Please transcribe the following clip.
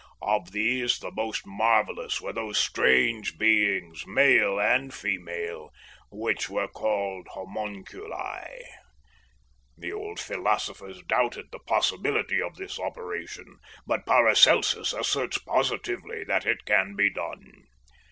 Of these, the most marvellous were those strange beings, male and female, which were called homunculi. The old philosophers doubted the possibility of this operation, but Paracelsus asserts positively that it can be done.